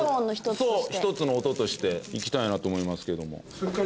そう一つの音としていきたいなと思いますけども。